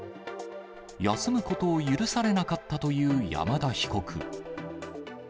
休むことを許されなかったという山田被告。